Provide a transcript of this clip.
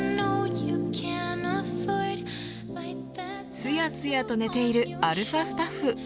すやすやと寝ているαスタッフ。